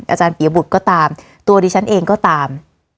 อาจารย์เปียบุตรก็ตามตัวดิฉันเองก็ตาม